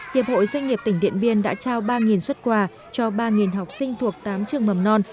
hiệp hội doanh nghiệp tỉnh điện biên đã trao ba xuất quà cho ba học sinh thuộc tám trường mầm non